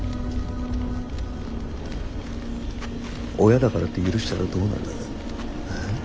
親だからって許したらどうなる。